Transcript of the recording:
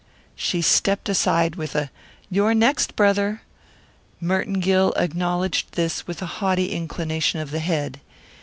She stepped aside with "You're next, brother!" Merton Gill acknowledged this with a haughty inclination of the head.